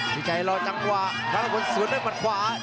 พี่ใจรอจำกว่าภารพนธ์สวนด้วยมัดขวา